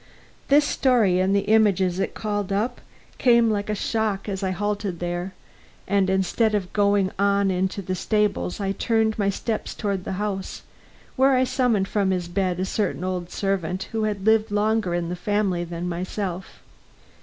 This story, and the images it called up, came like a shock as I halted there, and instead of going on to the stables, I turned my steps toward the house, where I summoned from his bed a certain old servant who had lived longer in the family than myself.